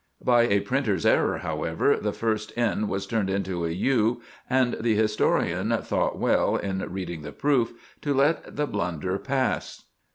By a printer's error, however, the first n was turned into a u, and the historian thought well, in reading the proof, to let the blunder pass.